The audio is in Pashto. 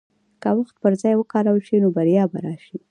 که وخت پر ځای وکارول شي، نو بریا به راشي.